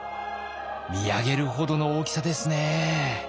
見上げるほどの大きさですね。